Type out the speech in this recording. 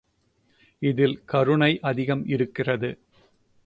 இதில் கருணை அதிகம் இருக்கிறது!